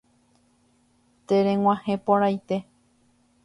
Tereg̃uahẽporãite